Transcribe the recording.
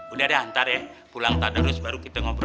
udah deh ntar pulang tadarus baru kita ngobrol